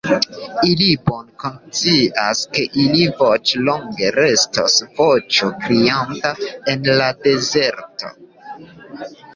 Ili bone konscias, ke ilia voĉo longe restos voĉo krianta en la dezerto.